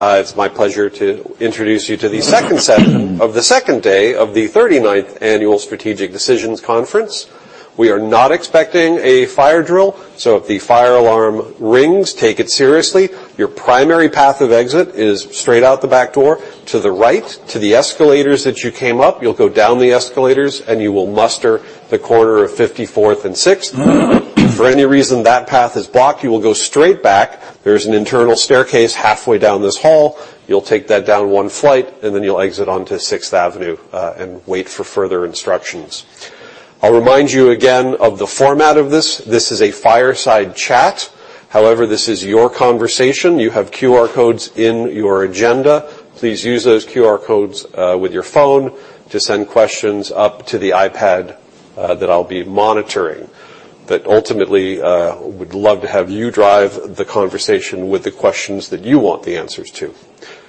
It's my pleasure to introduce you to the second session of the second day of the 39th Annual Strategic Decisions Conference. We are not expecting a fire drill, so if the fire alarm rings, take it seriously. Your primary path of exit is straight out the back door, to the right, to the escalators that you came up. You'll go down the escalators, and you will muster the corner of 54th and 6th. If for any reason that path is blocked, you will go straight back. There's an internal staircase halfway down this hall. You'll take that down one flight, and then you'll exit onto 6th Avenue, and wait for further instructions. I'll remind you again of the format of this. This is a fireside chat. However, this is your conversation. You have QR codes in your agenda. Please use those QR codes, with your phone to send questions up to the iPad, that I'll be monitoring. Ultimately, would love to have you drive the conversation with the questions that you want the answers to.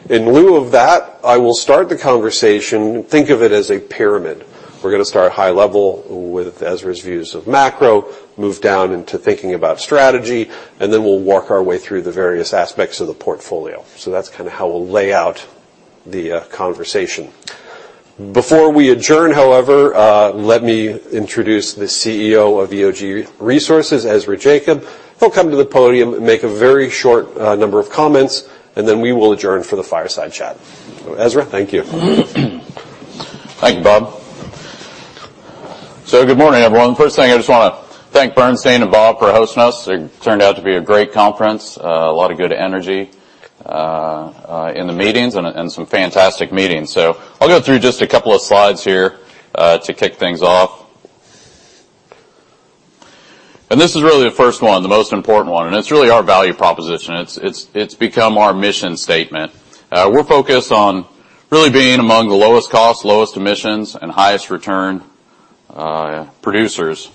In lieu of that, I will start the conversation. Think of it as a pyramid. We're gonna start high level with Ezra's views of macro, move down into thinking about strategy, and then we'll work our way through the various aspects of the portfolio. That's kinda how we'll lay out the conversation. Before we adjourn, however, let me introduce the CEO of EOG Resources, Ezra Yacob. He'll come to the podium and make a very short, number of comments, and then we will adjourn for the fireside chat. Ezra, thank you. Thank you, Bob. Good morning, everyone. First thing, I just wanna thank Bernstein and Bob for hosting us. It turned out to be a great conference, a lot of good energy in the meetings and some fantastic meetings. I'll go through just a couple of slides here to kick things off. This is really the first one, the most important one, and it's really our value proposition. It's become our mission statement. We're focused on really being among the lowest cost, lowest emissions, and highest return producers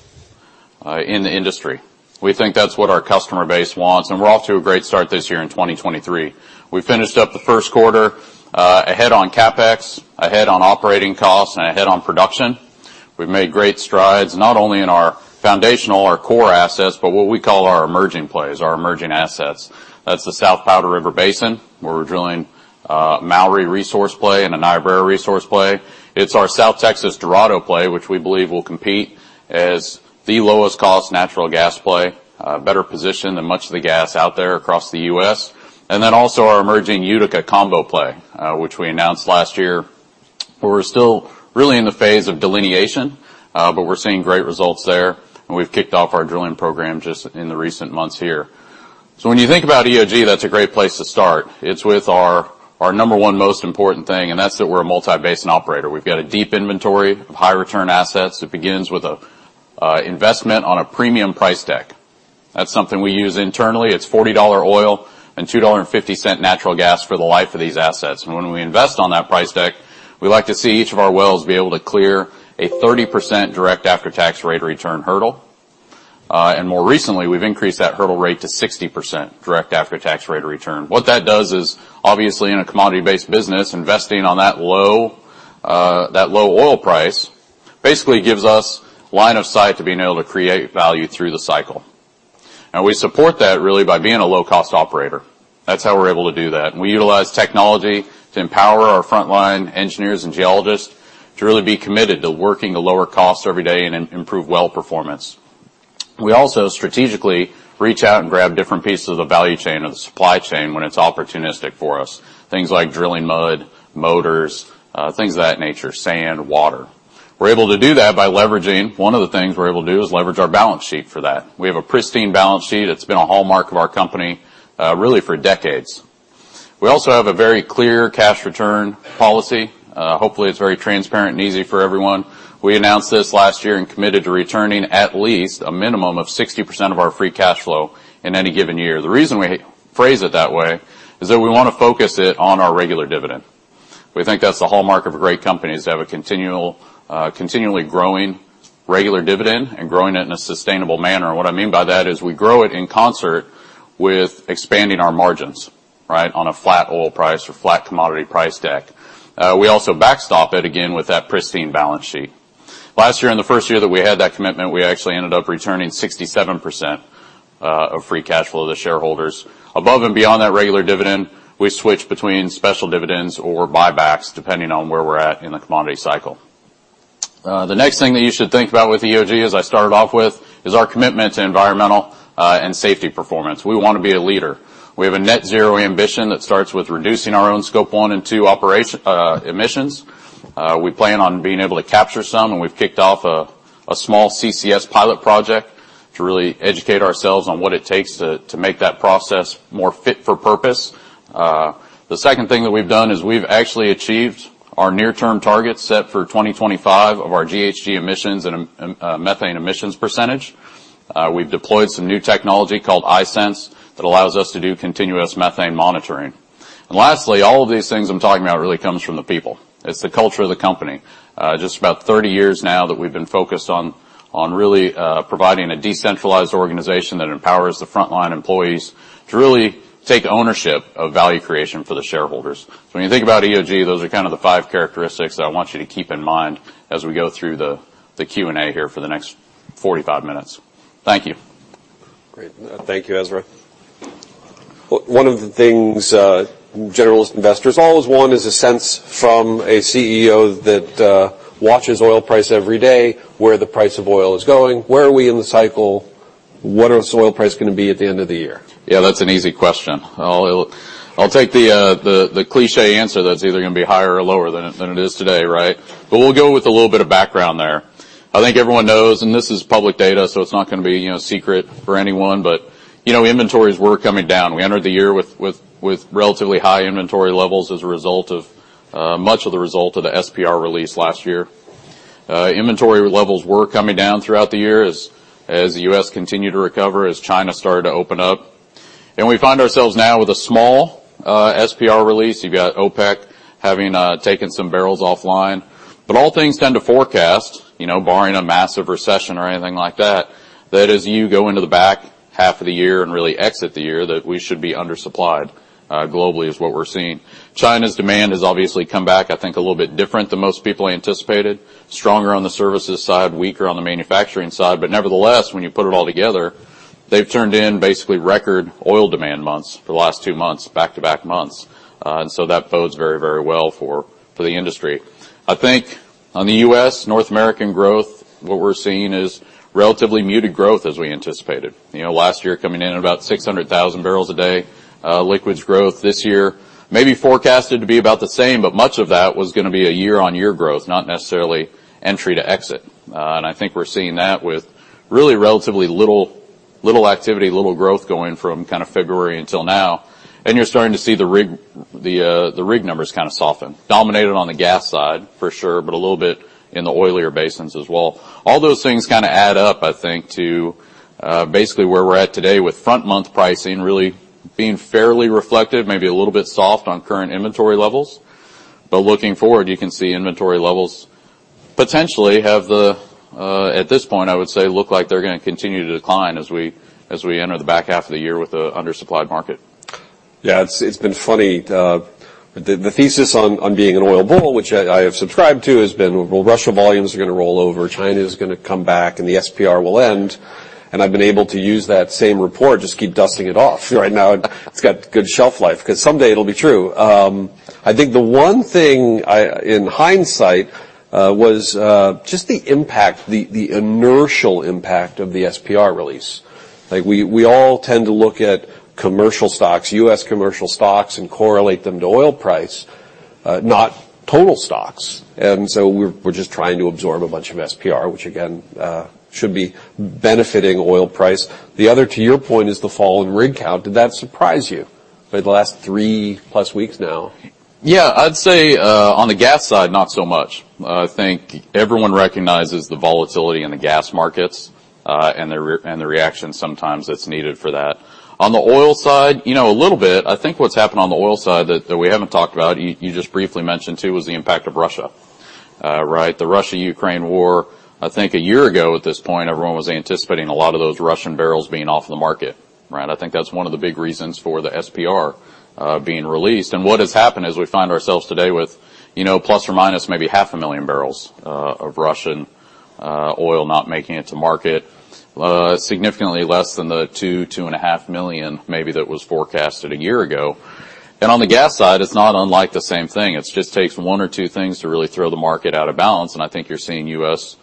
in the industry. We think that's what our customer base wants, and we're off to a great start this year in 2023. We finished up the first quarter, ahead on CapEx, ahead on operating costs, and ahead on production. We've made great strides, not only in our foundational, our core assets, but what we call our emerging plays, our emerging assets. That's the South Powder River Basin, where we're drilling Mowry Resource Play and Niobrara Resource Play. It's our South Texas Dorado play, which we believe will compete as the lowest cost natural gas play, better positioned than much of the gas out there across the U.S. Our emerging Utica Combo play, which we announced last year. We're still really in the phase of delineation, we're seeing great results there, we've kicked off our drilling program just in the recent months here. When you think about EOG, that's a great place to start. It's with our number one most important thing, that's that we're a multi-basin operator. We've got a deep inventory of high return assets. It begins with a investment on a premium price deck. That's something we use internally. It's $40 oil and $2.50 natural gas for the life of these assets. When we invest on that price deck, we like to see each of our wells be able to clear a 30% direct after-tax rate of return hurdle. More recently, we've increased that hurdle rate to 60% direct after-tax rate of return. What that does is, obviously, in a commodity-based business, investing on that low, that low oil price, basically gives us line of sight to being able to create value through the cycle. We support that really by being a low-cost operator. That's how we're able to do that. We utilize technology to empower our frontline engineers and geologists to really be committed to working to lower costs every day and improve well performance. We also strategically reach out and grab different pieces of the value chain of the supply chain when it's opportunistic for us. Things like drilling mud, motors, things of that nature, sand, water. We're able to do that by leveraging. One of the things we're able to do is leverage our balance sheet for that. We have a pristine balance sheet. It's been a hallmark of our company, really for decades. We also have a very clear cash return policy. Hopefully, it's very transparent and easy for everyone. We announced this last year and committed to returning at least a minimum of 60% of our free cash flow in any given year. The reason we phrase it that way is that we wanna focus it on our regular dividend. We think that's the hallmark of a great company, is to have a continual, continually growing regular dividend and growing it in a sustainable manner. What I mean by that is we grow it in concert with expanding our margins, right, on a flat oil price or flat commodity price deck. We also backstop it again with that pristine balance sheet. Last year, in the first year that we had that commitment, we actually ended up returning 67% of free cash flow to shareholders. Above and beyond that regular dividend, we switch between special dividends or buybacks, depending on where we're at in the commodity cycle. The next thing that you should think about with EOG, as I started off with, is our commitment to environmental, and safety performance. We wanna be a leader. We have a net zero ambition that starts with reducing our own Scope 1 and Scope 2 operation, emissions. We plan on being able to capture some, and we've kicked off a small CCS pilot project to really educate ourselves on what it takes to make that process more fit for purpose. The second thing that we've done is we've actually achieved our near-term targets set for 2025 of our GHG emissions and methane emissions percentage. We've deployed some new technology called iSense, that allows us to do continuous methane monitoring. Lastly, all of these things I'm talking about really comes from the people. It's the culture of the company. Just about 30 years now that we've been focused on really providing a decentralized organization that empowers the frontline employees to really take ownership of value creation for the shareholders. When you think about EOG, those are kinda the 5 characteristics that I want you to keep in mind as we go through the Q&A here for the next 45 minutes. Thank you. Great. Thank you, Ezra. One of the things, general investors always want is a sense from a CEO that watches oil price every day, where the price of oil is going, where are we in the cycle? What is oil price gonna be at the end of the year? Yeah, that's an easy question. I'll take the cliché answer, that it's either going to be higher or lower than it is today, right? We'll go with a little bit of background there. I think everyone knows, this is public data, it's not going to be, you know, secret for anyone, you know, inventories were coming down. We entered the year with relatively high inventory levels as a result of much of the result of the SPR release last year. Inventory levels were coming down throughout the year as the US continued to recover, as China started to open up. We find ourselves now with a small SPR release. You've got OPEC having taken some barrels offline. All things tend to forecast, you know, barring a massive recession or anything like that as you go into the back half of the year and really exit the year, that we should be undersupplied, globally, is what we're seeing. China's demand has obviously come back, I think, a little bit different than most people anticipated. Stronger on the services side, weaker on the manufacturing side, but nevertheless, when you put it all together, they've turned in basically record oil demand months for the last two months, back-to-back months. That bodes very, very well for the industry. I think on the U.S., North American growth, what we're seeing is relatively muted growth as we anticipated. You know, last year coming in at about 600,000 barrels a day, liquids growth this year may be forecasted to be about the same, but much of that was gonna be a year-on-year growth, not necessarily entry to exit. I think we're seeing that with really relatively little activity, little growth going from February until now. You're starting to see the rig numbers kind of soften. Dominated on the gas side, for sure, but a little bit in the oilier basins as well. All those things add up, I think, to basically where we're at today, with front-month pricing really being fairly reflective, maybe a little bit soft on current inventory levels. Looking forward, you can see inventory levels potentially have the... At this point, I would say, look like they're gonna continue to decline as we enter the back half of the year with a undersupplied market. Yeah, it's been funny, the thesis on being an oil bull, which I have subscribed to, has been, well, Russia volumes are gonna roll over, China is gonna come back, and the SPR will end. I've been able to use that same report, just keep dusting it off. Right now, it's got good shelf life, 'cause someday it'll be true. I think the one thing I, in hindsight, was just the impact, the inertial impact of the SPR release. Like, we all tend to look at commercial stocks, U.S. commercial stocks, and correlate them to oil price, not total stocks. We're, we're just trying to absorb a bunch of SPR, which again, should be benefiting oil price. The other, to your point, is the fall in rig count. Did that surprise you? For the last three-plus weeks now. I'd say, on the gas side, not so much. I think everyone recognizes the volatility in the gas markets and the reaction, sometimes, that's needed for that. On the oil side, you know, a little bit. I think what's happened on the oil side that we haven't talked about, you just briefly mentioned, too, was the impact of Russia, right? The Russia-Ukraine war. I think a year ago, at this point, everyone was anticipating a lot of those Russian barrels being off the market, right? I think that's one of the big reasons for the SPR being released. What has happened is we find ourselves today with, you know, plus or minus, maybe half a million barrels of Russian oil not making it to market. Significantly less than the 2 and a half million, maybe, that was forecasted a year ago. On the gas side, it's not unlike the same thing. It just takes one or two things to really throw the market out of balance, and I think you're seeing U.S.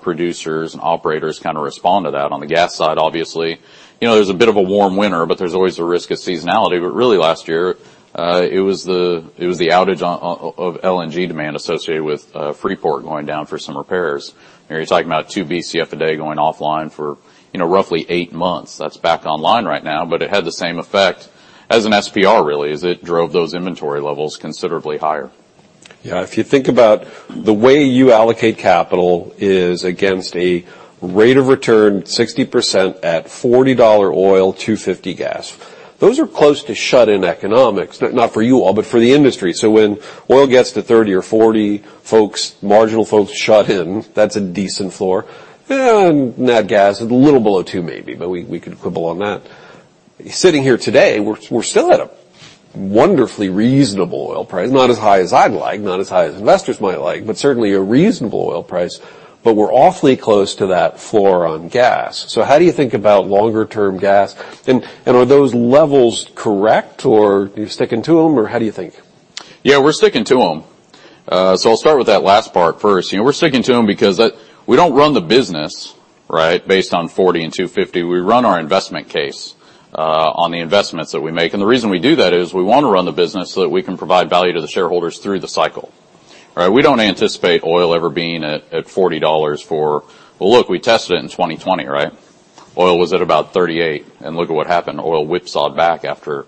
producers and operators kinda respond to that. On the gas side, obviously, you know, there's a bit of a warm winter, there's always a risk of seasonality. Really, last year, it was the outage of LNG demand associated with Freeport LNG going down for some repairs. You're talking about 2 BCF a day going offline for, you know, roughly 8 months. That's back online right now, but it had the same effect as an SPR, really, is it drove those inventory levels considerably higher. Yeah, if you think about the way you allocate capital is against a rate of return, 60% at $40 oil, $2.50 gas. Those are close to shut-in economics, not for you all, but for the industry. When oil gets to 30 or 40, folks, marginal folks shut in. That's a decent floor. Nat gas, a little below $2, maybe, but we could quibble on that. Sitting here today, we're still at a wonderfully reasonable oil price. Not as high as I'd like, not as high as investors might like, but certainly a reasonable oil price. We're awfully close to that floor on gas. How do you think about longer-term gas, and are those levels correct, or are you sticking to them, or how do you think? Yeah, we're sticking to them. I'll start with that last part first. You know, we're sticking to them because we don't run the business, right, based on $40 and $2.50. We run our investment case on the investments that we make. The reason we do that is we want to run the business so that we can provide value to the shareholders through the cycle. Right? We don't anticipate oil ever being at $40. Well, look, we tested it in 2020, right? Oil was at about $38, and look at what happened. Oil whipsawed back after,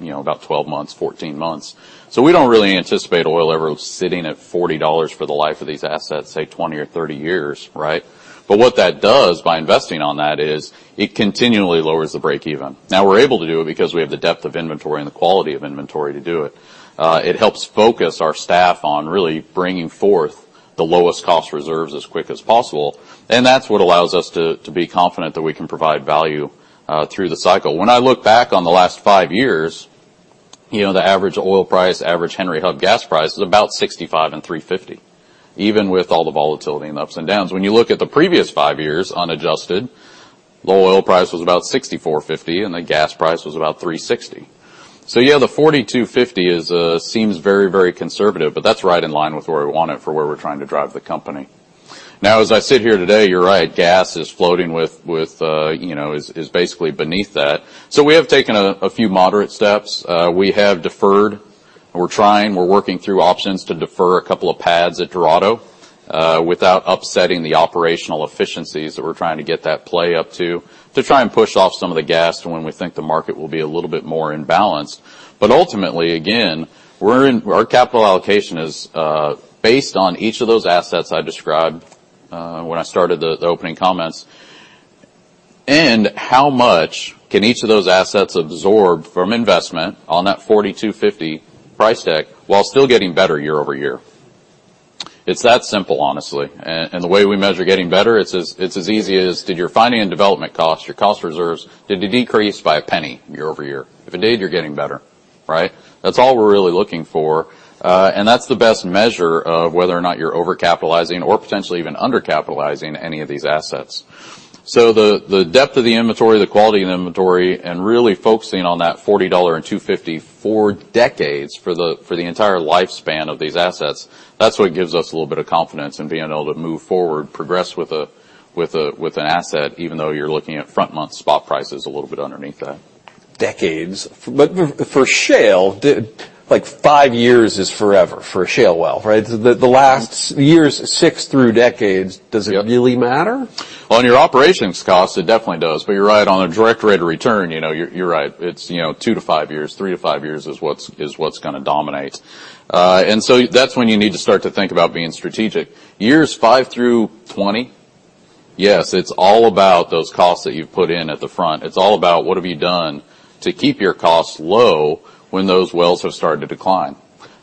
you know, about 12 months, 14 months. We don't really anticipate oil ever sitting at $40 for the life of these assets, say, 20 or 30 years, right? What that does, by investing on that, is it continually lowers the break-even. We're able to do it because we have the depth of inventory and the quality of inventory to do it. It helps focus our staff on really bringing forth the lowest-cost reserves as quick as possible, and that's what allows us to be confident that we can provide value through the cycle. When I look back on the last 5 years, you know, the average oil price, average Henry Hub gas price is about $65 and $3.50, even with all the volatility and the ups and downs. When you look at the previous 5 years, unadjusted, low oil price was about $64.50, and the gas price was about $3.60. Yeah, the $42.50 is seems very, very conservative, but that's right in line with where we want it, for where we're trying to drive the company. Now, as I sit here today, you're right, gas is floating with, you know, is basically beneath that. We have taken a few moderate steps. We have deferred, or we're trying, we're working through options to defer a couple of pads at Dorado, without upsetting the operational efficiencies that we're trying to get that play up to try and push off some of the gas to when we think the market will be a little bit more in balance. Ultimately, again, our capital allocation is based on each of those assets I described when I started the opening comments, and how much can each of those assets absorb from investment on that $42.50 price tag, while still getting better year-over-year? It's that simple, honestly. The way we measure getting better, it's as easy as: did your finding and development cost, your cost reserves, did they decrease by $0.01 year-over-year? If it did, you're getting better, right? That's all we're really looking for, and that's the best measure of whether or not you're overcapitalizing or potentially even undercapitalizing any of these assets. The depth of the inventory, the quality of the inventory, and really focusing on that $40 and $2.50 for decades, for the entire lifespan of these assets, that's what gives us a little bit of confidence in being able to move forward, progress with an asset, even though you're looking at front-month spot prices a little bit underneath that. Decades. For shale, like, 5 years is forever for a shale well, right? The last years, 6 through decades, does it... Yep really matter? Well, on your operations cost, it definitely does. You're right, on a direct rate of return, you know, you're right. It's, you know, 2 to 5 years, 3 to 5 years is what's gonna dominate. That's when you need to start to think about being strategic. Years 5 through 20, yes, it's all about those costs that you've put in at the front. It's all about what have you done to keep your costs low when those wells have started to decline?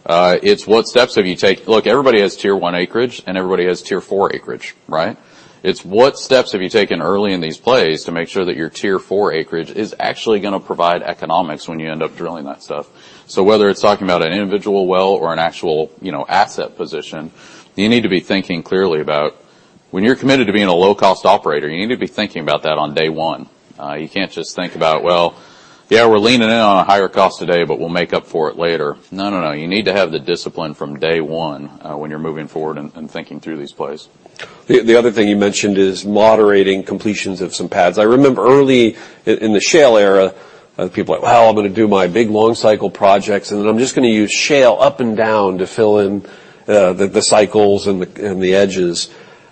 It's what steps have you taken. Look, everybody has Tier 1 acreage, and everybody has Tier 4 acreage, right? It's what steps have you taken early in these plays to make sure that your Tier 4 acreage is actually gonna provide economics when you end up drilling that stuff. Whether it's talking about an individual well or an actual, you know, asset position, you need to be thinking clearly about. When you're committed to being a low-cost operator, you need to be thinking about that on day one. You can't just think about, Well, yeah, we're leaning in on a higher cost today, but we'll make up for it later. No, no. You need to have the discipline from day one, when you're moving forward and thinking through these plays. The other thing you mentioned is moderating completions of some pads. I remember early in the shale era, people were, "Well, I'm gonna do my big, long cycle projects, and then I'm just gonna use shale up and down to fill in the cycles and the edges."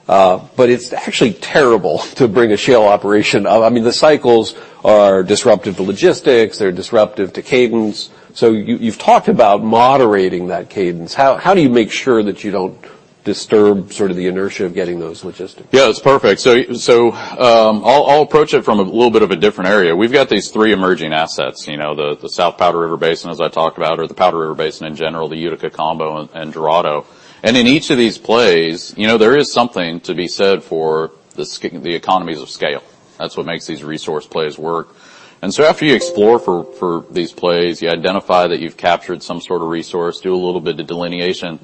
It's actually terrible to bring a shale operation. I mean, the cycles are disruptive to logistics, they're disruptive to cadence. You've talked about moderating that cadence. How do you make sure that you don't disturb sort of the inertia of getting those logistics? Yeah, it's perfect. I'll approach it from a little bit of a different area. We've got these three emerging assets, you know, the South Powder River Basin, as I talked about, or the Powder River Basin in general, the Utica Combo, and Dorado. In each of these plays, you know, there is something to be said for the economies of scale. That's what makes these resource plays work. After you explore for these plays, you identify that you've captured some sort of resource, do a little bit of delineation,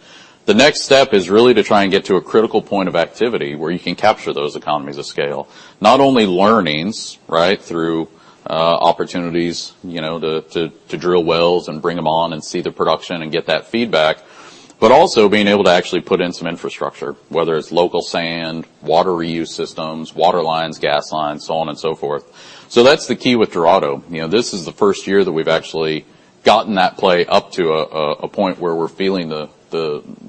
the next step is really to try and get to a critical point of activity where you can capture those economies of scale. Not only learnings, right, through opportunities, you know, to drill wells and bring them on and see the production and get that feedback, but also being able to actually put in some infrastructure, whether it's local sand, water reuse systems, water lines, gas lines, so on and so forth. That's the key with Dorado. You know, this is the first year that we've actually gotten that play up to a point where we're feeling where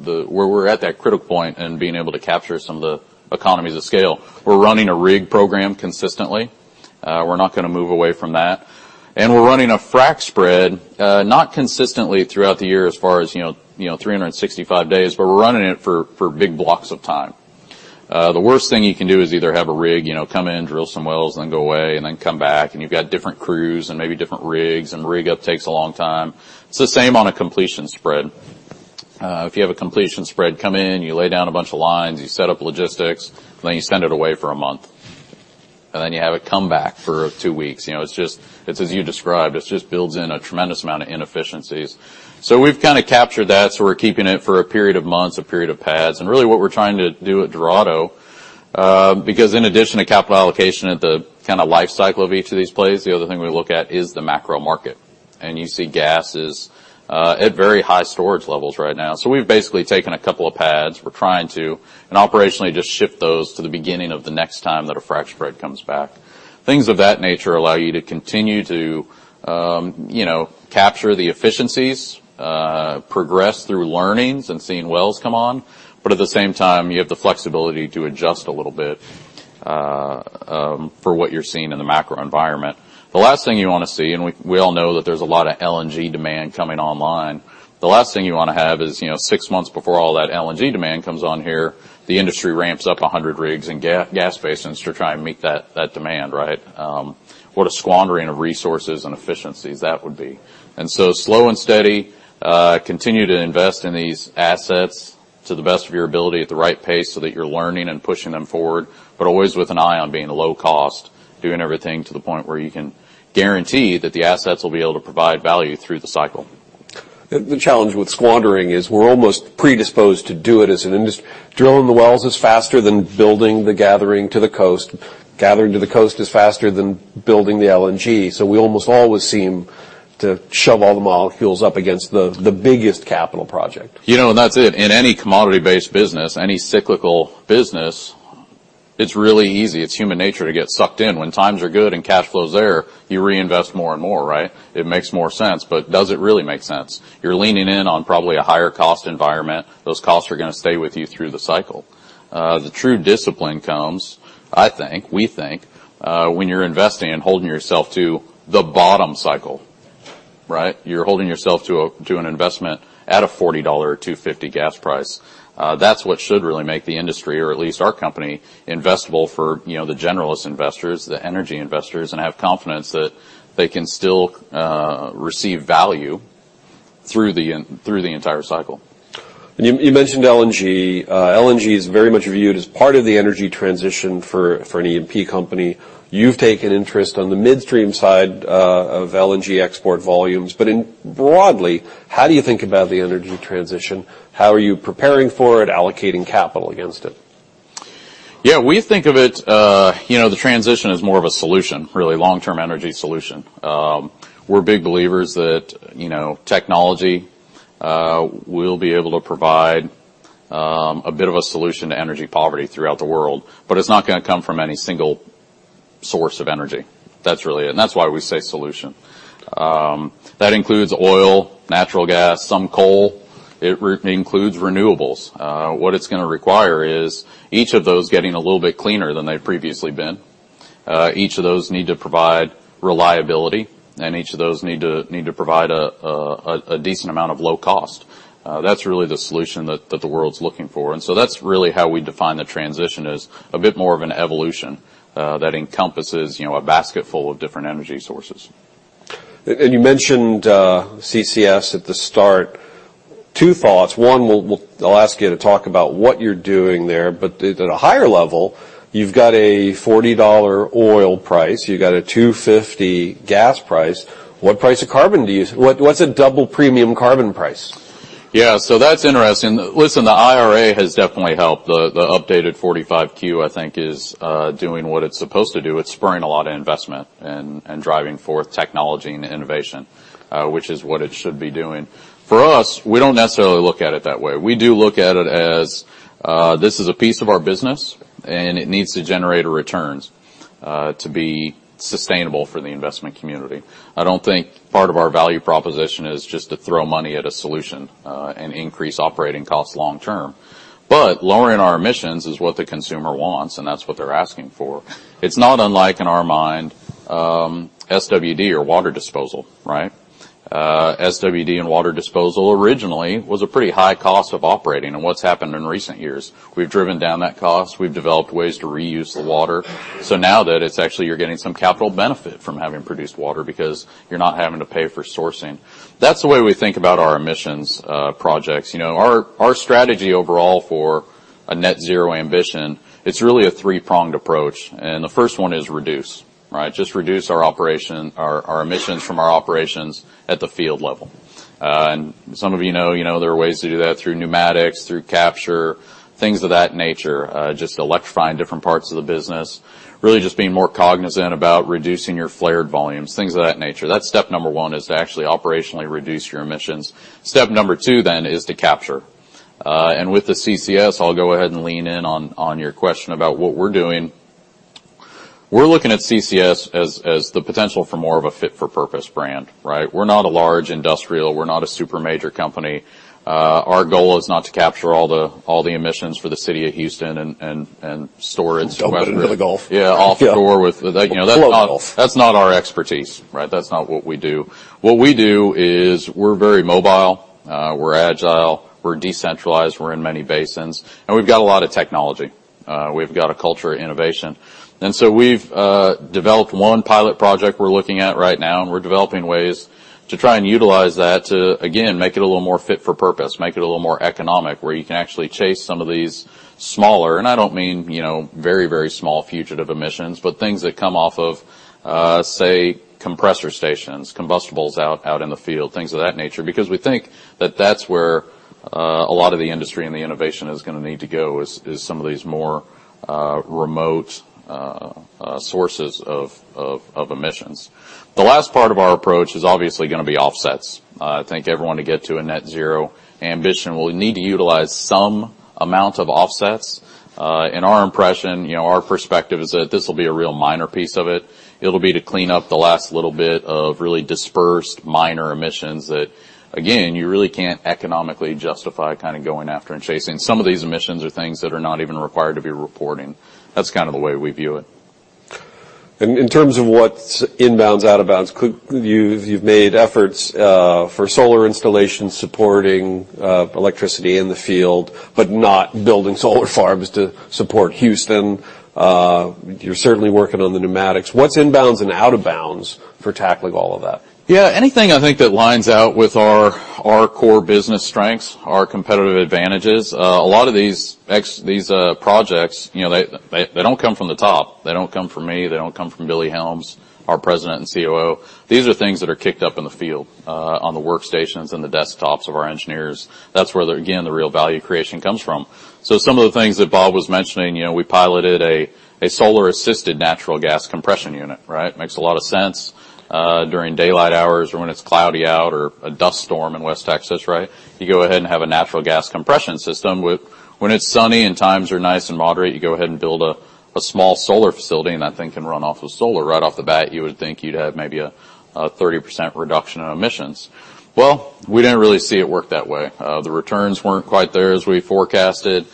we're at that critical point and being able to capture some of the economies of scale. We're running a rig program consistently. We're not gonna move away from that. We're running a frack spread, not consistently throughout the year as far as, you know, 365 days, but we're running it for big blocks of time. The worst thing you can do is either have a rig, you know, come in, drill some wells, then go away, and then come back, and you've got different crews and maybe different rigs, and rig up takes a long time. It's the same on a completion spread. If you have a completion spread, come in, you lay down a bunch of lines, you set up logistics, then you send it away for a month, and then you have it come back for two weeks. It's as you described, it just builds in a tremendous amount of inefficiencies. We've kinda captured that, so we're keeping it for a period of months, a period of pads. Really, what we're trying to do at Dorado, because in addition to capital allocation at the kinda life cycle of each of these plays, the other thing we look at is the macro market. You see gas is at very high storage levels right now. We've basically taken a couple of pads. We're trying to, and operationally, just ship those to the beginning of the next time that a frack spread comes back. Things of that nature allow you to continue to, you know, capture the efficiencies, progress through learnings and seeing wells come on, but at the same time, you have the flexibility to adjust a little bit for what you're seeing in the macro environment. The last thing you wanna see, and we all know that there's a lot of LNG demand coming online, the last thing you wanna have is, you know, six months before all that LNG demand comes on here, the industry ramps up 100 rigs in gas basins to try and meet that demand, right? What a squandering of resources and efficiencies that would be. Slow and steady. Continue to invest in these assets to the best of your ability at the right pace, so that you're learning and pushing them forward, but always with an eye on being low cost, doing everything to the point where you can guarantee that the assets will be able to provide value through the cycle. The challenge with squandering is we're almost predisposed to do it as an industry. Drilling the wells is faster than building the gathering to the coast. Gathering to the coast is faster than building the LNG, so we almost always seem to shove all the molecules up against the biggest capital project. You know, that's it. In any commodity-based business, any cyclical business, it's really easy. It's human nature to get sucked in. When times are good and cash flow is there, you reinvest more and more, right? It makes more sense. Does it really make sense? You're leaning in on probably a higher cost environment. Those costs are gonna stay with you through the cycle. The true discipline comes, I think, we think, when you're investing and holding yourself to the bottom cycle, right? You're holding yourself to an investment at a $40 or $2.50 gas price. That's what should really make the industry, or at least our company, investable for, you know, the generalist investors, the energy investors, and have confidence that they can still receive value through the entire cycle. You mentioned LNG. LNG is very much viewed as part of the energy transition for an E&P company. You've taken interest on the midstream side of LNG export volumes, but broadly, how do you think about the energy transition? How are you preparing for it, allocating capital against it? We think of it, you know, the transition as more of a solution, really long-term energy solution. We're big believers that, you know, technology will be able to provide a bit of a solution to energy poverty throughout the world, but it's not gonna come from any single source of energy. That's really it, that's why we say solution. That includes oil, natural gas, some coal. It includes renewables. What it's gonna require is each of those getting a little bit cleaner than they've previously been. Each of those need to provide reliability, each of those need to provide a decent amount of low cost. That's really the solution that the world's looking for. That's really how we define the transition, as a bit more of an evolution, that encompasses, you know, a basket full of different energy sources. You mentioned CCS at the start. Two thoughts: One, I'll ask you to talk about what you're doing there, but at a higher level, you've got a $40 oil price, you've got a $2.50 gas price. What price of carbon do you use? What's a double premium carbon price? Yeah. That's interesting. Listen, the IRA has definitely helped. The updated 45Q, I think, is doing what it's supposed to do. It's spurring a lot of investment and driving forth technology and innovation, which is what it should be doing. For us, we don't necessarily look at it that way. We do look at it as, this is a piece of our business, and it needs to generate a returns to be sustainable for the investment community. I don't think part of our value proposition is just to throw money at a solution and increase operating costs long term. Lowering our emissions is what the consumer wants, and that's what they're asking for. It's not unlike, in our mind, SWD or water disposal, right? SWD and water disposal originally was a pretty high cost of operating. What's happened in recent years? We've driven down that cost. We've developed ways to reuse the water. Now that it's actually you're getting some capital benefit from having produced water because you're not having to pay for sourcing. That's the way we think about our emissions projects. You know, our strategy overall for a net zero ambition, it's really a three-pronged approach, and the first one is reduce, right? Just reduce our emissions from our operations at the field level. Some of you know, there are ways to do that through pneumatics, through capture, things of that nature, just electrifying different parts of the business. Really just being more cognizant about reducing your flared volumes, things of that nature. That's step number one, is to actually operationally reduce your emissions. Step number two is to capture. With the CCS, I'll go ahead and lean in on your question about what we're doing. We're looking at CCS as the potential for more of a fit-for-purpose brand, right? We're not a large industrial. We're not a super major company. Our goal is not to capture all the emissions for the city of Houston and store it. Dump it into the Gulf. Yeah, off the door with... You know, that's not- Global That's not our expertise, right? That's not what we do. What we do is we're very mobile, we're agile, we're decentralized, we're in many basins, and we've got a lot of technology. We've got a culture of innovation. We've developed one pilot project we're looking at right now, and we're developing ways to try and utilize that to, again, make it a little more fit for purpose, make it a little more economic, where you can actually chase some of these smaller, and I don't mean, you know, very, very small fugitive emissions, but things that come off of, say, compressor stations, combustibles out in the field, things of that nature. We think that that's where a lot of the industry and the innovation is gonna need to go, is some of these more remote sources of emissions. The last part of our approach is obviously gonna be offsets. I think everyone to get to a net zero ambition will need to utilize some amount of offsets. Our impression, you know, our perspective is that this will be a real minor piece of it. It'll be to clean up the last little bit of really dispersed minor emissions that, again, you really can't economically justify kind of going after and chasing. Some of these emissions are things that are not even required to be reporting. That's kind of the way we view it. In terms of what's in bounds, out of bounds, you've made efforts for solar installation, supporting electricity in the field, but not building solar farms to support Houston. You're certainly working on the pneumatics. What's in bounds and out of bounds for tackling all of that? Anything I think that lines out with our core business strengths, our competitive advantages. A lot of these projects, you know, they don't come from the top. They don't come from me, they don't come from Billy Helms, our President and COO. These are things that are kicked up in the field, on the workstations and the desktops of our engineers. That's where, again, the real value creation comes from. Some of the things that Bob was mentioning, you know, we piloted a solar-assisted natural gas compression unit, right? Makes a lot of sense during daylight hours or when it's cloudy out or a dust storm in West Texas, right? You go ahead and have a natural gas compression system. When it's sunny and times are nice and moderate, you go ahead and build a small solar facility. That thing can run off of solar. Right off the bat, you would think you'd have maybe a 30% reduction in emissions. Well, we didn't really see it work that way. The returns weren't quite there as we forecasted.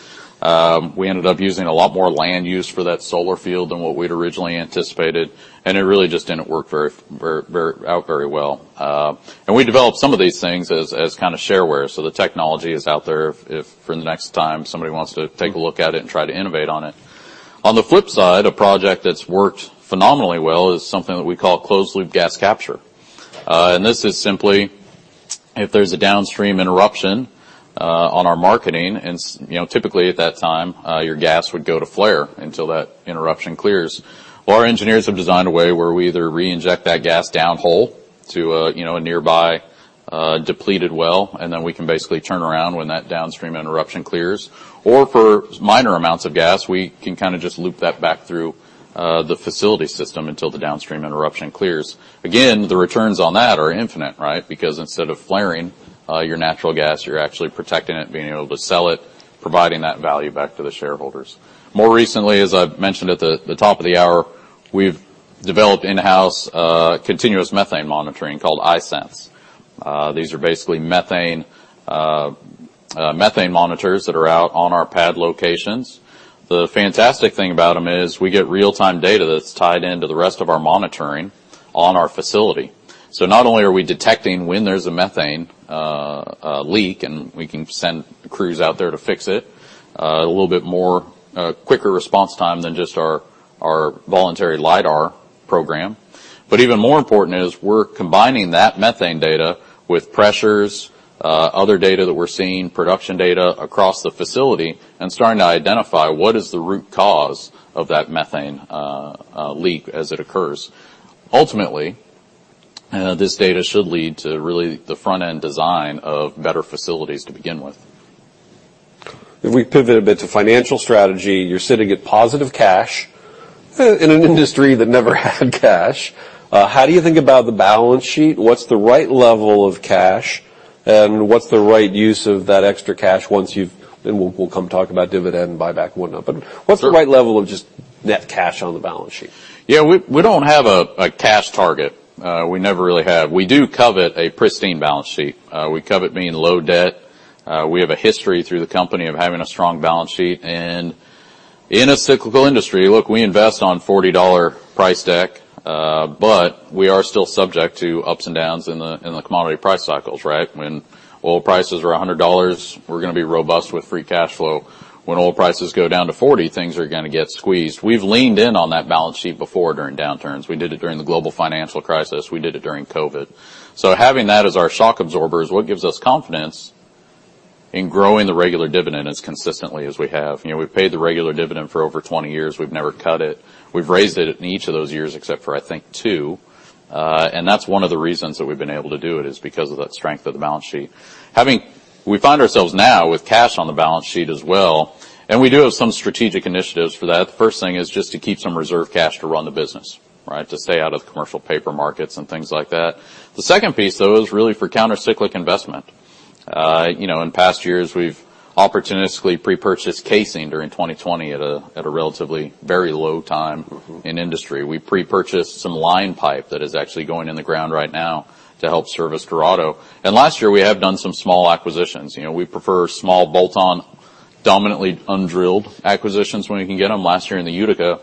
We ended up using a lot more land use for that solar field than what we'd originally anticipated, and it really just didn't work out very well. We developed some of these things as kind of shareware, so the technology is out there if for the next time somebody wants to take a look at it and try to innovate on it. On the flip side, a project that's worked phenomenally well is something that we call Closed-Loop Gas Capture. This is simply, if there's a downstream interruption, on our marketing, you know, typically at that time, your gas would go to flare until that interruption clears. Our engineers have designed a way where we either reinject that gas downhole to a, you know, a nearby, depleted well, and then we can basically turn around when that downstream interruption clears. For minor amounts of gas, we can kinda just loop that back through the facility system until the downstream interruption clears. Again, the returns on that are infinite, right? Because instead of flaring, your natural gas, you're actually protecting it, being able to sell it, providing that value back to the shareholders. More recently, as I've mentioned at the top of the hour, we've developed in-house continuous methane monitoring called iSense. These are basically methane monitors that are out on our pad locations. The fantastic thing about them is we get real-time data that's tied into the rest of our monitoring on our facility. Not only are we detecting when there's a methane leak, and we can send crews out there to fix it, a little bit more quicker response time than just our voluntary LiDAR program. Even more important is we're combining that methane data with pressures, other data that we're seeing, production data across the facility, and starting to identify what is the root cause of that methane leak as it occurs. Ultimately, this data should lead to really the front-end design of better facilities to begin with. If we pivot a bit to financial strategy, you're sitting at positive cash in an industry that never had cash. How do you think about the balance sheet? What's the right level of cash, and what's the right use of that extra cash once you've... We'll come talk about dividend, buyback, whatnot. Sure. What's the right level of just net cash on the balance sheet? Yeah, we don't have a cash target. We never really have. We do covet a pristine balance sheet. We covet mean low debt. We have a history through the company of having a strong balance sheet. In a cyclical industry, look, we invest on $40 price deck, but we are still subject to ups and downs in the commodity price cycles, right? When oil prices are $100, we're gonna be robust with free cash flow. When oil prices go down to $40, things are gonna get squeezed. We've leaned in on that balance sheet before, during downturns. We did it during the global financial crisis. We did it during COVID. Having that as our shock absorber is what gives us confidence in growing the regular dividend as consistently as we have. You know, we've paid the regular dividend for over 20 years. We've never cut it. We've raised it in each of those years, except for, I think, two. That's one of the reasons that we've been able to do it, is because of the strength of the balance sheet. We find ourselves now with cash on the balance sheet as well. We do have some strategic initiatives for that. The first thing is just to keep some reserve cash to run the business, right? To stay out of the commercial paper markets and things like that. The second piece, though, is really for countercyclical investment. You know, in past years, we've opportunistically pre-purchased casing during 2020 at a relatively very low time-... in industry. We pre-purchased some line pipe that is actually going in the ground right now to help service Dorado. Last year, we have done some small acquisitions. You know, we prefer small bolt-on, dominantly undrilled acquisitions when we can get them. Last year in the Utica,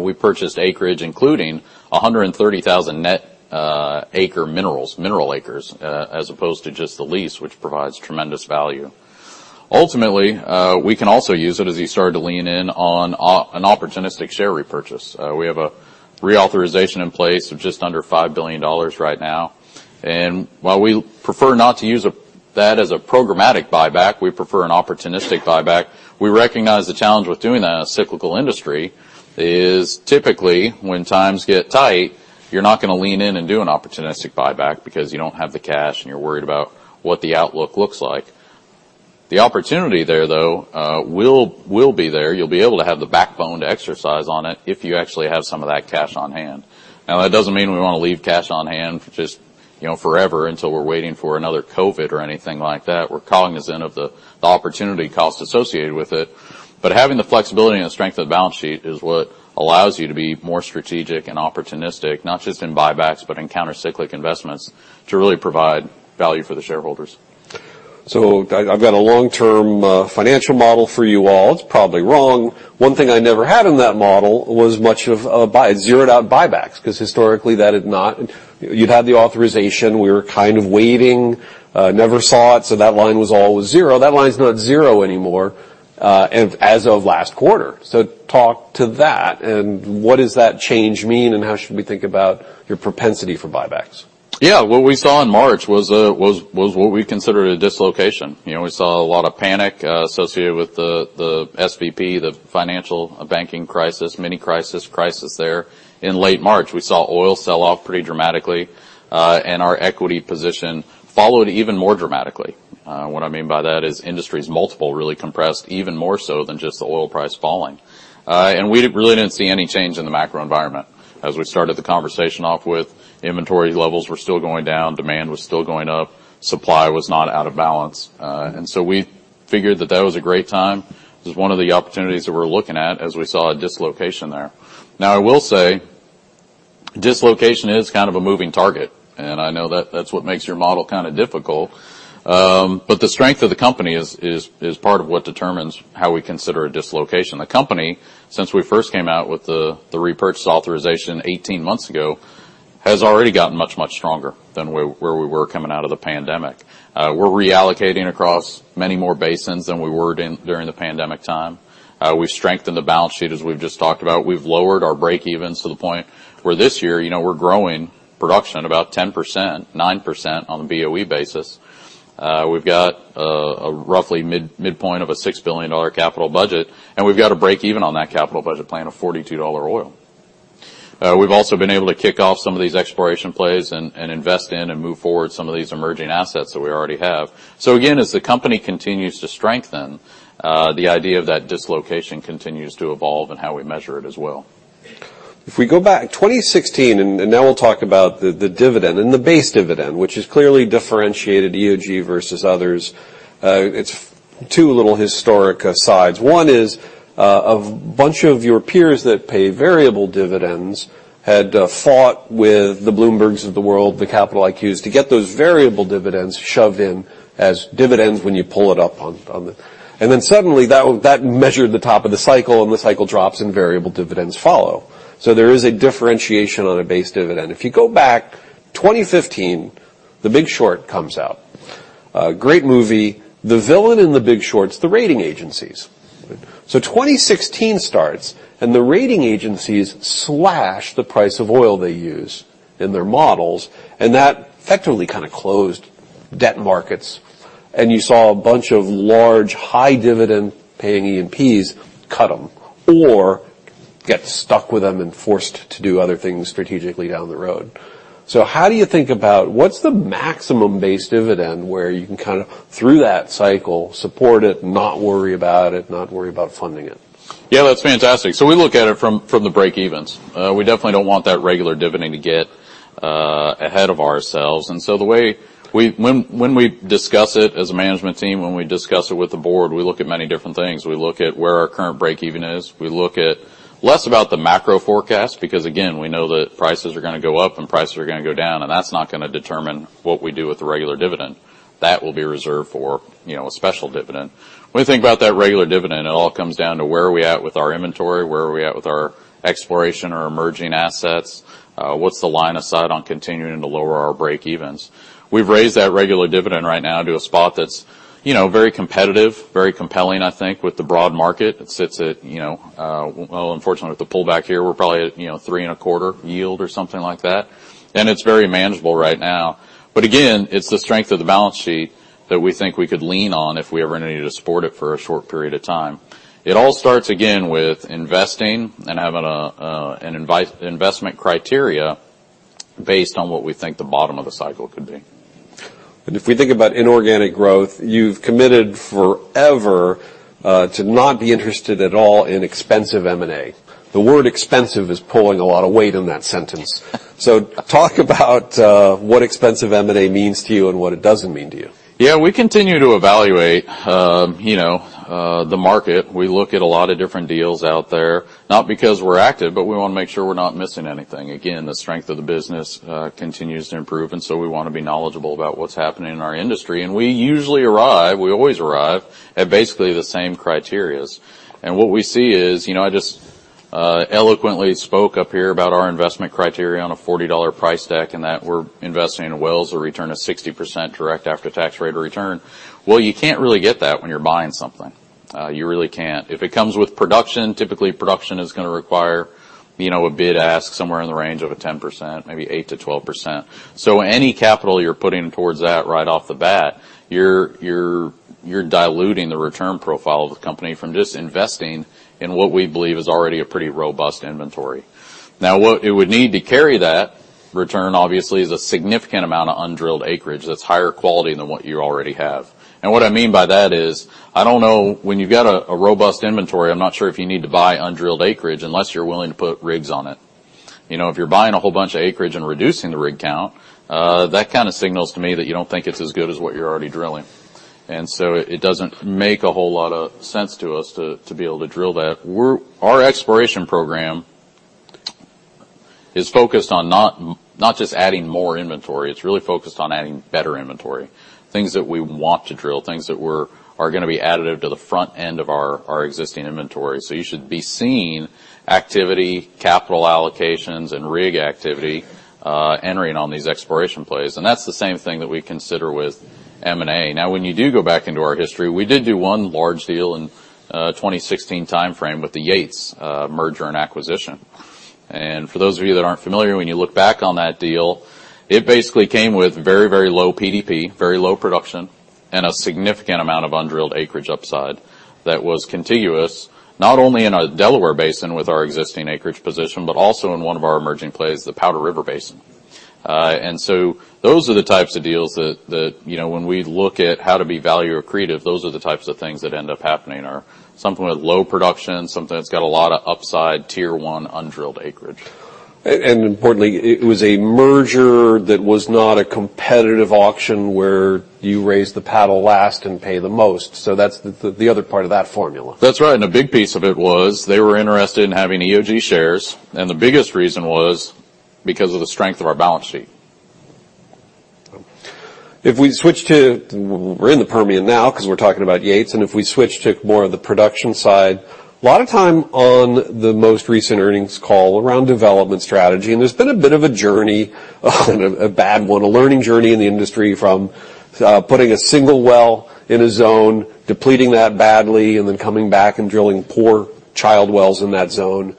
we purchased acreage, including 130,000 net acre minerals, mineral acres, as opposed to just the lease, which provides tremendous value. Ultimately, we can also use it, as you started to lean in, on an opportunistic share repurchase. We have a reauthorization in place of just under $5 billion right now, and while we prefer not to use that as a programmatic buyback, we prefer an opportunistic buyback. We recognize the challenge with doing that in a cyclical industry is typically, when times get tight, you're not gonna lean in and do an opportunistic buyback because you don't have the cash, and you're worried about what the outlook looks like. The opportunity there, though, will be there. You'll be able to have the backbone to exercise on it if you actually have some of that cash on hand. That doesn't mean we want to leave cash on hand just, you know, forever until we're waiting for another COVID or anything like that. We're cognizant of the opportunity cost associated with it. Having the flexibility and the strength of the balance sheet is what allows you to be more strategic and opportunistic, not just in buybacks, but in countercyclical investments, to really provide value for the shareholders. I've got a long-term financial model for you all. It's probably wrong. One thing I never had in that model was much of a zeroed out buybacks, because historically, You've had the authorization. We were kind of waiting, never saw it, so that line was all zero. That line is not zero anymore, as of last quarter. Talk to that, and what does that change mean, and how should we think about your propensity for buybacks? What we saw in March was what we considered a dislocation. You know, we saw a lot of panic associated with the SVB, the financial banking crisis, mini crisis there. In late March, we saw oil sell off pretty dramatically, and our equity position followed even more dramatically. What I mean by that is industry's multiple really compressed even more so than just the oil price falling. We really didn't see any change in the macro environment. As we started the conversation off with, inventory levels were still going down, demand was still going up, supply was not out of balance. So we figured that that was a great time. It was one of the opportunities that we were looking at as we saw a dislocation there. I will say, dislocation is kind of a moving target, and I know that that's what makes your model difficult. But the strength of the company is part of what determines how we consider a dislocation. The company, since we first came out with the repurchase authorization 18 months ago, has already gotten much, much stronger than where we were coming out of the pandemic. We're reallocating across many more basins than we were during the pandemic time. We've strengthened the balance sheet, as we've just talked about. We've lowered our break evens to the point where this year, you know, we're growing production about 10%, 9% on a BOE basis. We've got a roughly midpoint of a $6 billion capital budget, and we've got a break even on that capital budget plan of $42 oil. We've also been able to kick off some of these exploration plays and invest in and move forward some of these emerging assets that we already have. Again, as the company continues to strengthen, the idea of that dislocation continues to evolve and how we measure it as well. If we go back, 2016, and now we'll talk about the dividend, and the base dividend, which has clearly differentiated EOG versus others. It's 2 little historic asides. One is, a bunch of your peers that pay variable dividends had fought with the Bloombergs of the world, the Capital IQs, to get those variable dividends shoved in as dividends when you pull it up. Suddenly, that measured the top of the cycle, and the cycle drops, and variable dividends follow. There is a differentiation on a base dividend. If you go back, 2015, The Big Short comes out. A great movie. The villain in The Big Short's the rating agencies. 2016 starts, and the rating agencies slash the price of oil they use in their models, and that effectively kind of closed debt markets. You saw a bunch of large, high dividend-paying E&Ps cut them or get stuck with them and forced to do other things strategically down the road. How do you think about what's the maximum base dividend where you can kind of, through that cycle, support it, not worry about it, not worry about funding it? Yeah, that's fantastic. We look at it from the break evens. We definitely don't want that regular dividend to get ahead of ourselves. The way we discuss it as a management team, when we discuss it with the board, we look at many different things. We look at where our current break even is. We look at less about the macro forecast, because, again, we know that prices are gonna go up and prices are gonna go down, and that's not gonna determine what we do with the regular dividend. That will be reserved for, you know, a special dividend. When we think about that regular dividend, it all comes down to where are we at with our inventory, where are we at with our exploration or emerging assets, what's the line of sight on continuing to lower our break evens? We've raised that regular dividend right now to a spot that's, you know, very competitive, very compelling, I think, with the broad market. It sits at, you know, well, unfortunately, with the pullback here, we're probably at, you know, 3.25% yield or something like that. It's very manageable right now. Again, it's the strength of the balance sheet that we think we could lean on if we ever needed to support it for a short period of time. It all starts again with investing and having an investment criteria based on what we think the bottom of the cycle could be. If we think about inorganic growth, you've committed forever to not be interested at all in expensive M&A. The word expensive is pulling a lot of weight in that sentence. Talk about what expensive M&A means to you and what it doesn't mean to you. Yeah, we continue to evaluate, you know, the market. We look at a lot of different deals out there, not because we're active, but we want to make sure we're not missing anything. Again, the strength of the business continues to improve, and so we want to be knowledgeable about what's happening in our industry. We usually arrive, we always arrive, at basically the same criteria. What we see is, you know, I just eloquently spoke up here about our investment criteria on a $40 price deck, and that we're investing in wells, a return of 60% direct after-tax rate of return. Well, you can't really get that when you're buying something. You really can't. If it comes with production, typically production is gonna require, you know, a bid ask somewhere in the range of a 10%, maybe 8%-12%. Any capital you're putting towards that right off the bat, you're diluting the return profile of the company from just investing in what we believe is already a pretty robust inventory. What it would need to carry that return, obviously, is a significant amount of undrilled acreage that's higher quality than what you already have. What I mean by that is, I don't know, when you've got a robust inventory, I'm not sure if you need to buy undrilled acreage unless you're willing to put rigs on it. You know, if you're buying a whole bunch of acreage and reducing the rig count, that kinda signals to me that you don't think it's as good as what you're already drilling. It doesn't make a whole lot of sense to us to be able to drill that. Our exploration program is focused on not just adding more inventory, it's really focused on adding better inventory, things that we want to drill, things that are gonna be additive to the front end of our existing inventory. You should be seeing activity, capital allocations, and rig activity, entering on these exploration plays. That's the same thing that we consider with M&A. When you do go back into our history, we did do one large deal in 2016 timeframe with the Yates merger and acquisition. For those of you that aren't familiar, when you look back on that deal, it basically came with very, very low PDP, very low production, and a significant amount of undrilled acreage upside that was contiguous, not only in our Delaware Basin with our existing acreage position, but also in one of our emerging plays, the Powder River Basin. Those are the types of deals that, you know, when we look at how to be value accretive, those are the types of things that end up happening, are something with low production, something that's got a lot of upside, Tier 1 undrilled acreage. Importantly, it was a merger that was not a competitive auction where you raise the paddle last and pay the most. That's the other part of that formula. That's right. A big piece of it was they were interested in having EOG shares, and the biggest reason was because of the strength of our balance sheet. We're in the Permian now, 'cause we're talking about Yates, and if we switch to more of the production side, a lot of time on the most recent earnings call around development strategy, and there's been a bit of a journey, a bad one, a learning journey in the industry from putting a single well in a zone, depleting that badly, and then coming back and drilling poor child wells in that zone.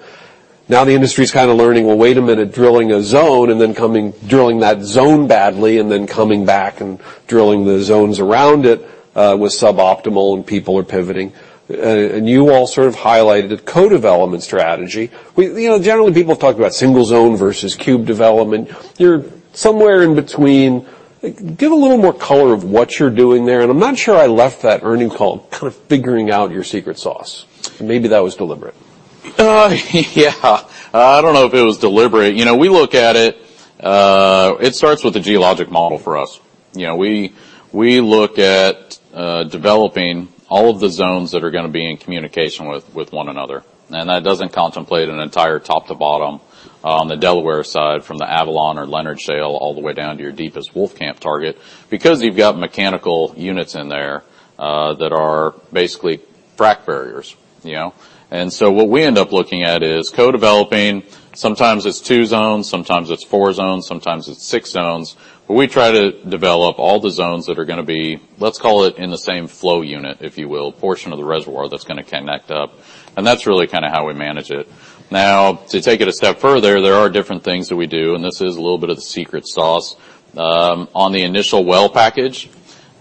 Now, the industry's kind of learning, well, wait a minute, drilling a zone and then drilling that zone badly, and then coming back and drilling the zones around it, was suboptimal, and people are pivoting. You all sort of highlighted a co-development strategy. You know, generally, people talk about single zone versus cube development. You're somewhere in between. Give a little more color of what you're doing there. I'm not sure I left that earnings call kind of figuring out your secret sauce. Maybe that was deliberate. Yeah. I don't know if it was deliberate. You know, we look at it starts with a geologic model for us. You know, we look at, developing all of the zones that are gonna be in communication with one another. That doesn't contemplate an entire top to bottom on the Delaware side, from the Avalon or Leonard Shale, all the way down to your deepest Wolfcamp target, because you've got mechanical units in there, that are basically frac barriers, you know? What we end up looking at is co-development. Sometimes it's two zones, sometimes it's four zones, sometimes it's six zones. We try to develop all the zones that are gonna be, let's call it, in the same flow unit, if you will, portion of the reservoir that's gonna connect up. That's really kinda how we manage it. Now, to take it a step further, there are different things that we do, and this is a little bit of the secret sauce. On the initial well package,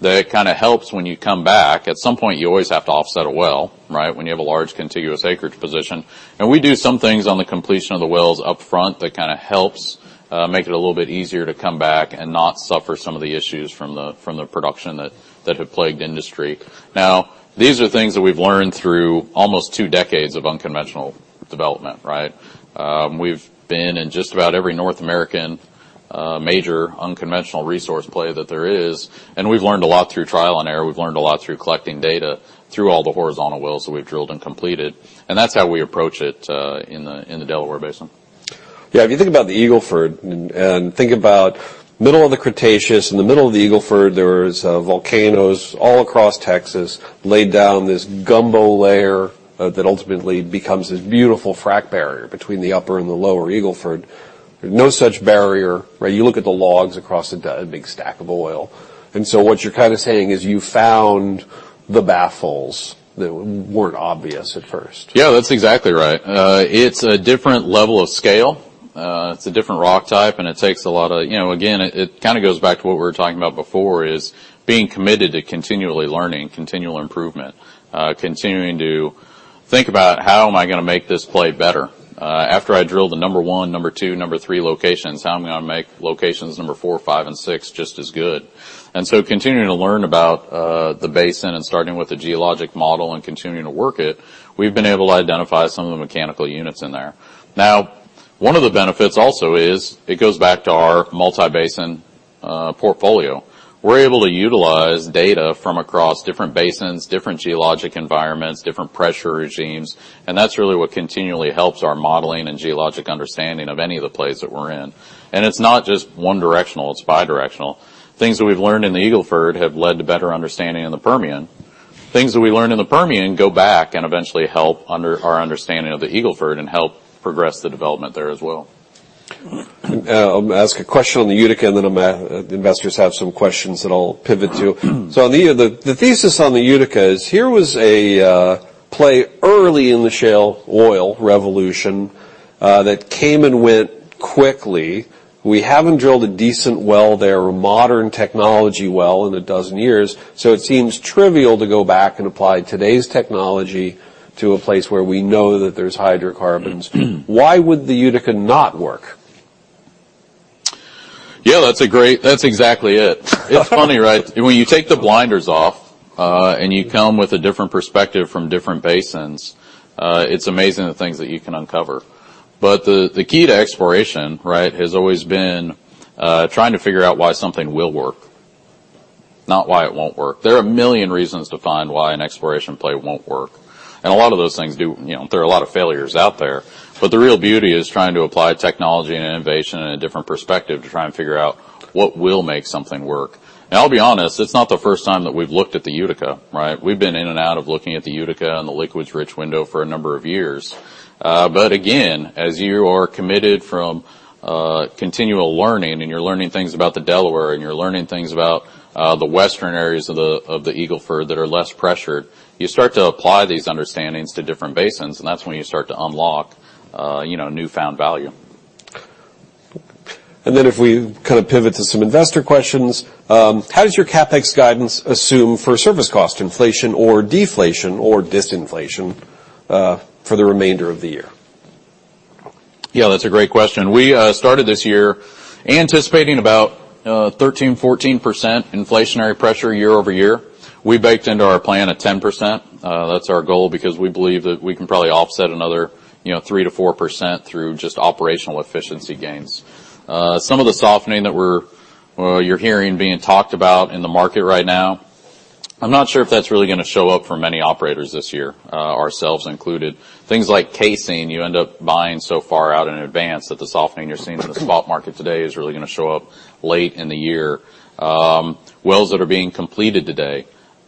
that kinda helps when you come back. At some point, you always have to offset a well, right? When you have a large contiguous acreage position. We do some things on the completion of the wells up front that kinda helps make it a little bit easier to come back and not suffer some of the issues from the production that have plagued the industry. Now, these are things that we've learned through almost 2 decades of unconventional development, right? We've been in just about every North American major unconventional resource play that there is, and we've learned a lot through trial and error. We've learned a lot through collecting data, through all the horizontal wells that we've drilled and completed, and that's how we approach it, in the Delaware Basin. Yeah. If you think about the Eagle Ford, and think about middle of the Cretaceous, in the middle of the Eagle Ford, there was volcanoes all across Texas, laid down this gumbo layer that ultimately becomes this beautiful frac barrier between the upper and the lower Eagle Ford. No such barrier, right? You look at the logs across a big stack of oil. What you're kinda saying is, you found the baffles that weren't obvious at first. Yeah, that's exactly right. It's a different level of scale, it's a different rock type, and it takes a lot of... You know, again, it kinda goes back to what we were talking about before, is being committed to continually learning, continual improvement. Continuing to think about: How am I gonna make this play better? After I drill the number 1, number 2, number 3 locations, how am I gonna make locations number 4, 5, and 6 just as good? Continuing to learn about the basin and starting with the geologic model and continuing to work it, we've been able to identify some of the mechanical units in there. One of the benefits also is, it goes back to our multi-basin portfolio. We're able to utilize data from across different basins, different geologic environments, different pressure regimes, that's really what continually helps our modeling and geologic understanding of any of the plays that we're in. It's not just one directional, it's bidirectional. Things that we've learned in the Eagle Ford have led to better understanding in the Permian. Things that we learned in the Permian go back and eventually help our understanding of the Eagle Ford, and help progress the development there as well. I'll ask a question on the Utica, and then the investors have some questions that I'll pivot to. On the thesis on the Utica is, here was a play early in the shale oil revolution that came and went quickly. We haven't drilled a decent well there, or a modern technology well in a dozen years, so it seems trivial to go back and apply today's technology to a place where we know that there's hydrocarbons. Why would the Utica not work? Yeah, That's exactly it. It's funny, right? When you take the blinders off, and you come with a different perspective from different basins, it's amazing the things that you can uncover. The key to exploration, right, has always been trying to figure out why something will work. Not why it won't work. There are a million reasons to find why an exploration play won't work, and a lot of those things You know, there are a lot of failures out there. The real beauty is trying to apply technology and innovation in a different perspective to try and figure out what will make something work. I'll be honest, it's not the first time that we've looked at the Utica, right? We've been in and out of looking at the Utica and the liquids rich window for a number of years. Again, as you are committed from, continual learning, and you're learning things about the Delaware, and you're learning things about, the western areas of the Eagle Ford that are less pressured, you start to apply these understandings to different basins, and that's when you start to unlock, you know, newfound value. If we kind of pivot to some investor questions, how does your CapEx guidance assume for service cost inflation or deflation or disinflation for the remainder of the year? Yeah, that's a great question. We started this year anticipating about 13%, 14% inflationary pressure year-over-year. We baked into our plan at 10%. That's our goal, because we believe that we can probably offset another, you know, 3% to 4% through just operational efficiency gains. Some of the softening that we're, well, you're hearing being talked about in the market right now, I'm not sure if that's really gonna show up for many operators this year, ourselves included. Things like casing, you end up buying so far out in advance that the softening you're seeing in the spot market today is really gonna show up late in the year. Wells that are being completed today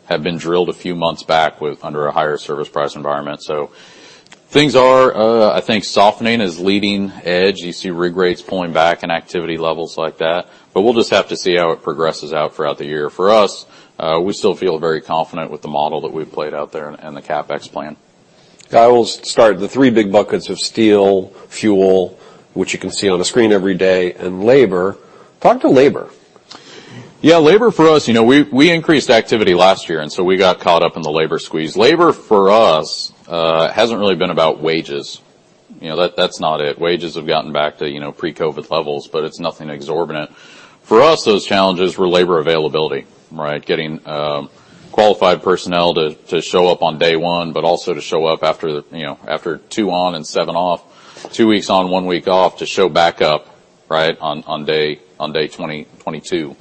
have been drilled a few months back under a higher service price environment. Things are... I think softening is leading edge. You see rig rates pulling back and activity levels like that, but we'll just have to see how it progresses out throughout the year. For us, we still feel very confident with the model that we've played out there and the CapEx plan. I will start. The three big buckets of steel, fuel, which you can see on the screen every day, and labor. Talk to labor. Yeah, labor for us, you know, we increased activity last year, we got caught up in the labor squeeze. Labor, for us, hasn't really been about wages. You know, that's not it. Wages have gotten back to, you know, pre-COVID levels, it's nothing exorbitant. For us, those challenges were labor availability, right? Getting qualified personnel to show up on day 1, also to show up after, you know, after 2 on and 7 off, 2 weeks on, 1 week off, to show back up, right, on day 20, 22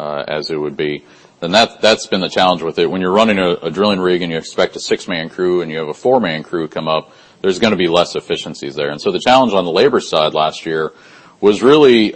as it would be. That's been the challenge with it. When you're running a drilling rig and you expect a 6-man crew and you have a 4-man crew come up, there's gonna be less efficiencies there. The challenge on the labor side last year was really,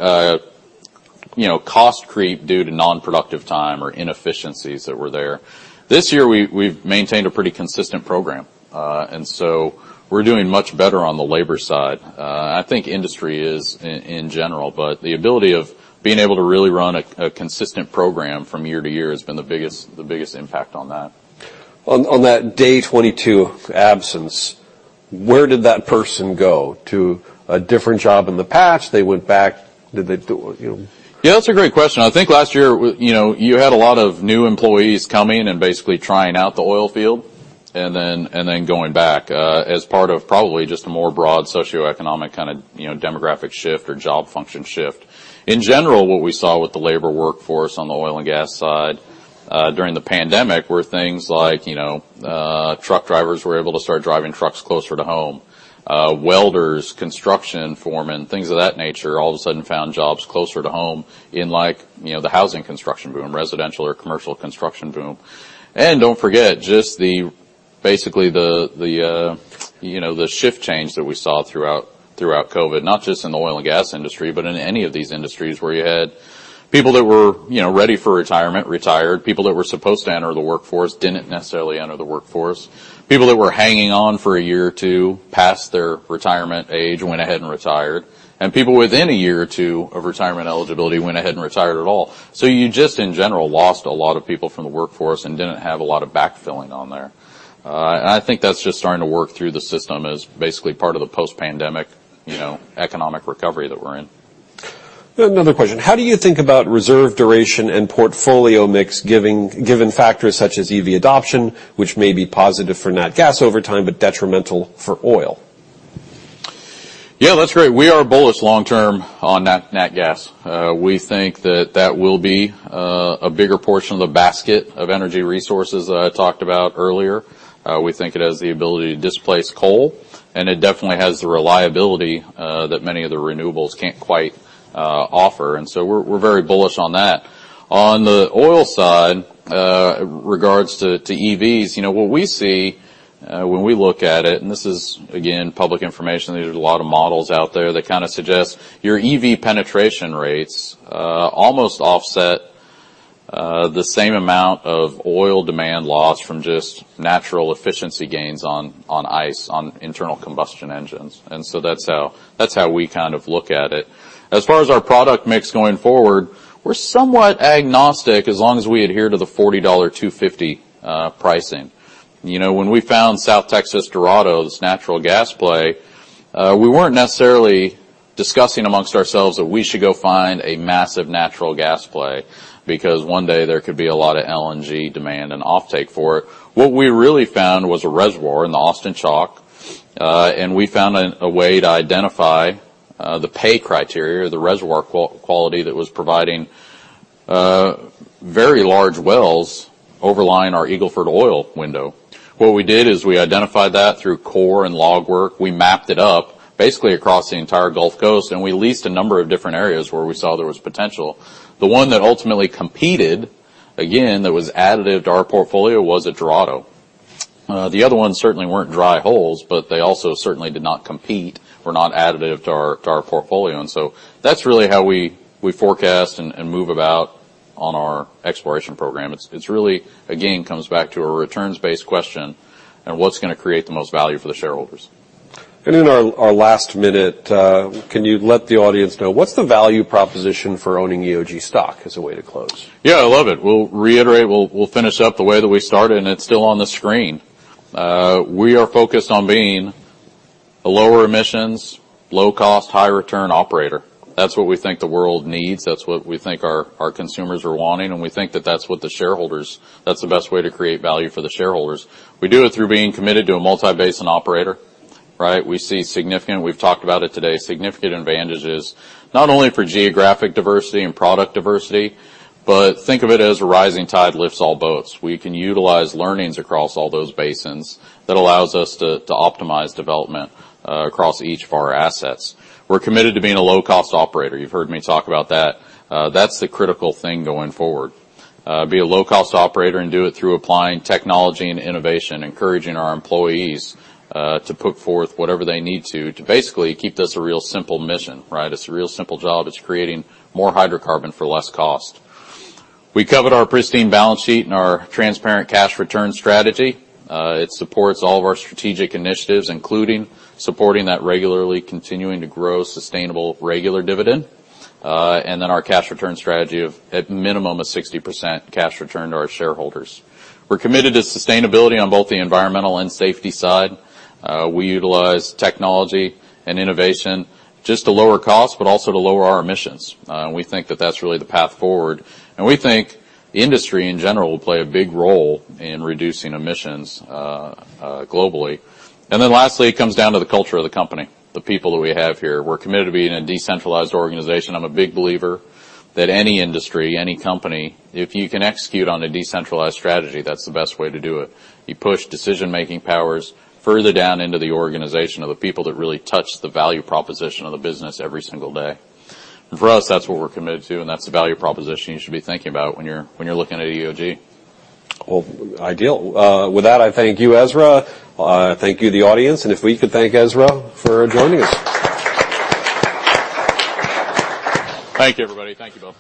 you know, cost creep due to non-productive time or inefficiencies that were there. This year, we've maintained a pretty consistent program, and so we're doing much better on the labor side. I think industry is in general, but the ability of being able to really run a consistent program from year to year has been the biggest impact on that. On that day 22 absence, where did that person go? To a different job in the patch, they went back... Did they do, you know? Yeah, that's a great question. I think last year, you know, you had a lot of new employees coming and basically trying out the oil field, and then going back, as part of probably just a more broad socioeconomic kinda, you know, demographic shift or job function shift. In general, what we saw with the labor workforce on the oil and gas side, during the pandemic were things like, you know, truck drivers were able to start driving trucks closer to home. Welders, construction foremen, things of that nature, all of a sudden found jobs closer to home in, like, you know, the housing construction boom, residential or commercial construction boom. Don't forget, just basically the, you know, the shift change that we saw throughout COVID, not just in the oil and gas industry, but in any of these industries, where you had people that were, you know, ready for retirement, retired. People that were supposed to enter the workforce didn't necessarily enter the workforce. People that were hanging on for a year or two past their retirement age went ahead and retired, and people within a year or two of retirement eligibility went ahead and retired at all. You just, in general, lost a lot of people from the workforce and didn't have a lot of backfilling on there. I think that's just starting to work through the system as basically part of the post-pandemic, you know, economic recovery that we're in. Another question: How do you think about reserve duration and portfolio mix, given factors such as EV adoption, which may be positive for nat gas over time, but detrimental for oil? Yeah, that's great. We are bullish long term on nat gas. We think that that will be a bigger portion of the basket of energy resources that I talked about earlier. We think it has the ability to displace coal, and it definitely has the reliability that many of the renewables can't quite offer. We're very bullish on that. On the oil side, regards to EVs, you know, what we see when we look at it, and this is, again, public information, there's a lot of models out there that kinda suggest your EV penetration rates almost offset the same amount of oil demand loss from just natural efficiency gains on ICE, on internal combustion engines. That's how we kind of look at it. As far as our product mix going forward, we're somewhat agnostic as long as we adhere to the $40 $2.50 pricing. You know, when we found South Texas Dorado natural gas play, we weren't necessarily discussing amongst ourselves that we should go find a massive natural gas play, because one day there could be a lot of LNG demand and offtake for it. What we really found was a reservoir in the Austin Chalk, and we found a way to identify the pay criteria or the reservoir quality that was providing very large wells overlying our Eagle Ford Oil window. What we did is we identified that through core and log work. We mapped it up, basically across the entire Gulf Coast, and we leased a number of different areas where we saw there was potential. The one that ultimately competed, again, that was additive to our portfolio, was at Dorado. The other ones certainly weren't dry holes, but they also certainly did not compete, were not additive to our portfolio. That's really how we forecast and move about on our exploration program. It's, it's really, again, comes back to a returns-based question and what's gonna create the most value for the shareholders. In our last minute, can you let the audience know, what's the value proposition for owning EOG stock, as a way to close? Yeah, I love it. We'll reiterate. We'll finish up the way that we started. It's still on the screen. We are focused on being a lower emissions, low cost, high return operator. That's what we think the world needs. That's what we think our consumers are wanting. We think that that's what the shareholders, that's the best way to create value for the shareholders. We do it through being committed to a multi-basin operator, right? We see significant, we've talked about it today, advantages, not only for geographic diversity and product diversity. Think of it as a rising tide lifts all boats. We can utilize learnings across all those basins that allows us to optimize development across each of our assets. We're committed to being a low cost operator. You've heard me talk about that. That's the critical thing going forward. Be a low-cost operator and do it through applying technology and innovation, encouraging our employees to put forth whatever they need to basically keep this a real simple mission, right? It's a real simple job. It's creating more hydrocarbon for less cost. We covered our pristine balance sheet and our transparent cash return strategy. It supports all of our strategic initiatives, including supporting that regularly continuing to grow sustainable regular dividend, and then our cash return strategy of at minimum, a 60% cash return to our shareholders. We're committed to sustainability on both the environmental and safety side. We utilize technology and innovation just to lower cost, but also to lower our emissions. We think that that's really the path forward, and we think the industry, in general, will play a big role in reducing emissions globally. Lastly, it comes down to the culture of the company, the people that we have here. We're committed to being a decentralized organization. I'm a big believer that any industry, any company, if you can execute on a decentralized strategy, that's the best way to do it. You push decision-making powers further down into the organization of the people that really touch the value proposition of the business every single day. For us, that's what we're committed to, and that's the value proposition you should be thinking about when you're looking at EOG. Well, ideal. With that, I thank you, Ezra. Thank you, the audience, and if we could thank Ezra for joining us. Thank you, everybody. Thank you both.